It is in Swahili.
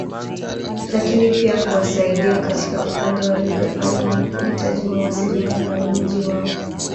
Lakini pia kuwasaidia katika upande wa lugha pale wanapohitaji mawasiliano na wenyeji wao